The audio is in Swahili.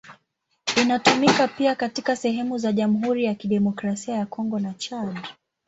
Inatumika pia katika sehemu za Jamhuri ya Kidemokrasia ya Kongo na Chad.